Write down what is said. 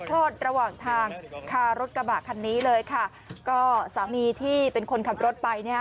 คลอดระหว่างทางคารถกระบะคันนี้เลยค่ะก็สามีที่เป็นคนขับรถไปเนี่ย